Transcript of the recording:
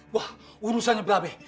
wah urusannya berabeh